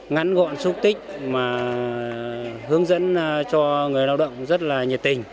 ngắn gọn xúc tích mà hướng dẫn cho người lao động rất là nhiệt tình